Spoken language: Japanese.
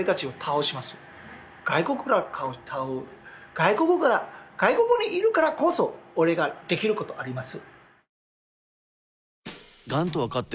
外国から外国にいるからこそ俺ができることあります